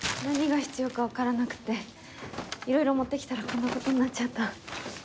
何が必要かわからなくていろいろ持ってきたらこんな事になっちゃった。